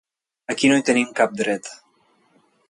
Aquí no hi tenim cap dret.